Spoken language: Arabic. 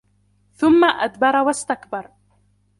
ثم أدبر واستكبر